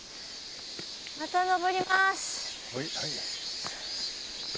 また登ります。